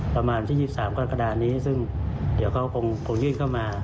ประมาณที่ยี่สามการณ์กระดานนี้ซึ่งเดี๋ยวเขาคงคงยื่นเข้ามา